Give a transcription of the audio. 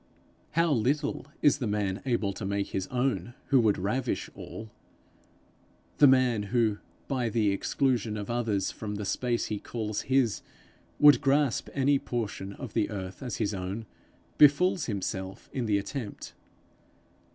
How little is the man able to make his own, who would ravish all! The man who, by the exclusion of others from the space he calls his, would grasp any portion of the earth as his own, befools himself in the attempt.